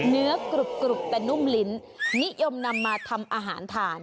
กรุบแต่นุ่มลิ้นนิยมนำมาทำอาหารทาน